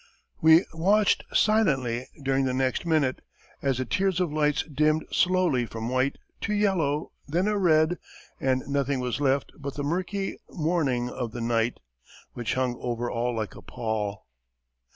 We watched silently during the next minute, as the tiers of lights dimmed slowly from white to yellow, then a red, and nothing was left but the murky mourning of the night, which hung over all like a pall.